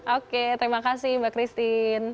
oke terima kasih mbak christine